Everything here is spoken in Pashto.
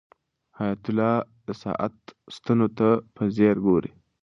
حیات الله د ساعت ستنو ته په ځیر ګوري.